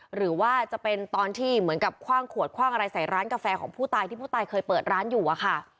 หรือว่าจะเป็นตอนที่เหมือนกับคว่างขวดคว่างอะไรใส่ร้านกาแฟของผู้ตายที่ผู้ตายเคยเปิดร้านอยู่อะค่ะ